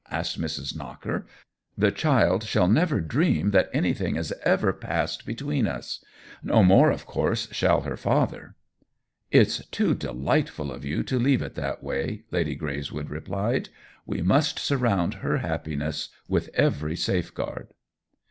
asked Mrs. Knocker. "The child shall never dream that anything has ever passed between us. No more of course shall her father." " It's too delightful of you to leave it that way," Lady Greyswood replied. " We must surround her happiness with every safeguard."